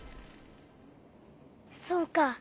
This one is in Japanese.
そうか。